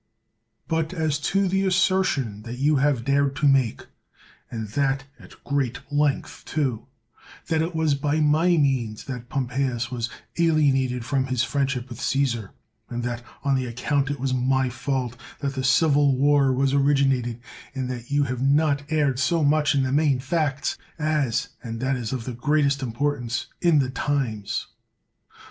But as to the assertion that you have dared to make, and that at great length, too, that it was by my means that Pompeius was alienated from his friendship with Caesar, and that on that acount it was my fault that the civil war was originated; in that you have not erred so much in the main facts, as (and that is of the greatest importance) in the times.